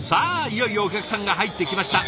いよいよお客さんが入ってきました。